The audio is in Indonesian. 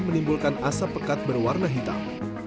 menimbulkan asap pekat berwarna hitam